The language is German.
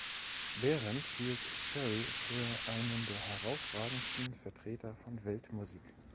Berendt hielt Cherry für einen der herausragendsten Vertreter von "Weltmusik".